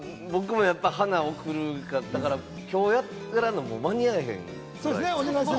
僕も花を贈るんやから、今日やったら間に合えへん。